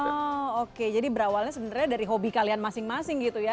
oh oke jadi berawalnya sebenarnya dari hobi kalian masing masing gitu ya